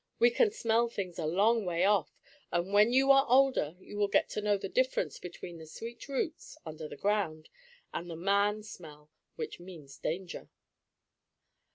We can smell things a long way off, and when you are older you will get to know the difference between the sweet roots, under the ground, and the man smell, which means danger.